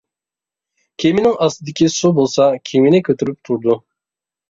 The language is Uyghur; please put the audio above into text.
كېمىنىڭ ئاستىدىكى سۇ بولسا، كېمىنى كۆتۈرۈپ تۇرىدۇ.